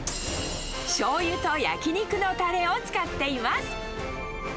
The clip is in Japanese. しょうゆと焼き肉のたれを使っています。